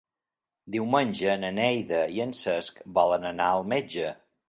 Diumenge na Neida i en Cesc volen anar al metge.